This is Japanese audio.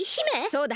そうだ。